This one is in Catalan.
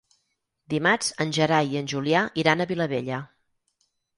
Dimarts en Gerai i en Julià iran a Vilabella.